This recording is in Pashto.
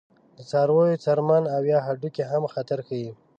د څارویو څرمن او یا هډوکي هم خطر ښيي.